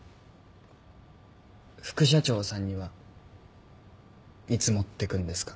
副社長さんにはいつ持ってくんですか？